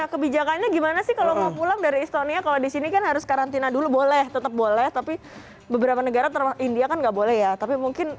iya kebijakannya gimana sih kalau mau pulang dari estonia kalau disini kan harus karantina dulu boleh tetap boleh tapi beberapa negara terlalu india kan gak boleh ya tapi mungkin